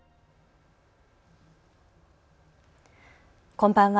こんばんは。